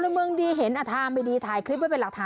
มารถกลัวมา